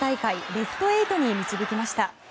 ベスト８に導きました。